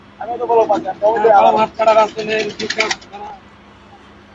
আর বাম হাত দ্বারা রাসূলের রিকাব ধরে আছি।